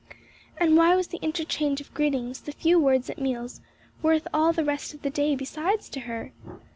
And why was the interchange of greetings, the few words at meals, worth all the rest of the day besides to her?